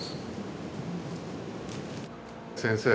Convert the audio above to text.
先生